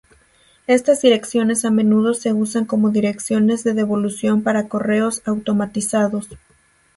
Estas direcciones a menudo se usan como direcciones de devolución para correos automatizados.